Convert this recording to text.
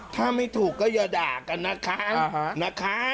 ถ้าไม่ถูกก็อย่าด่ากันนะคะ